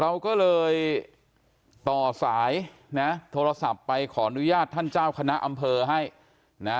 เราก็เลยต่อสายนะโทรศัพท์ไปขออนุญาตท่านเจ้าคณะอำเภอให้นะ